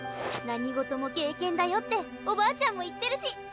何事も経験だよっておばあちゃんも言ってるし。